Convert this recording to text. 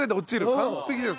完璧です。